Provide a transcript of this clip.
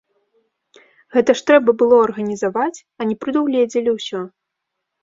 Гэта ж трэба было арганізаваць, а не прадугледзелі ўсё.